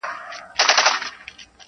له ګلفامه سره لاس کي ېې جام راوړ,